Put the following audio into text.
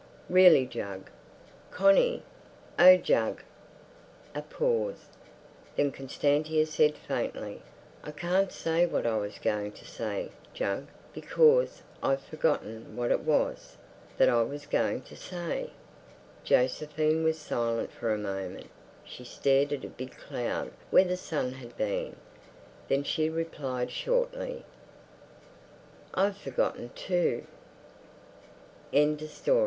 "Really, Jug." "Connie!" "Oh, Jug!" A pause. Then Constantia said faintly, "I can't say what I was going to say, Jug, because I've forgotten what it was... that I was going to say." Josephine was silent for a moment. She stared at a big cloud where the sun had been. Then she replied shortly, "I've forgotten too." Mr.